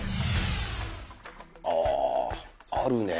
あああるね。